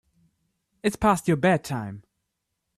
It's past your bedtime.